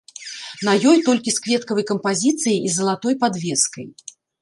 На ёй толькі з кветкавай кампазіцыяй і залатой падвескай.